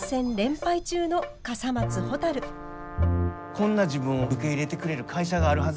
こんな自分を受け入れてくれる会社があるはず